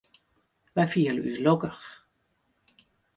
Wy fiele ús lokkich.